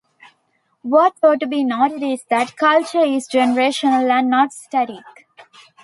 What ought to be noted is that culture is generational and not static.